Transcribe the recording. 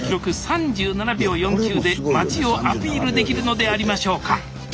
３７秒４９で町をアピールできるのでありましょうか？